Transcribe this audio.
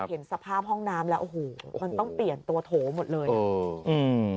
เห็นสภาพห้องน้ำแล้วโอ้โหมันต้องเปลี่ยนตัวโถหมดเลยอ่ะอืม